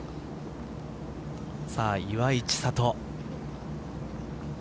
岩井千怜。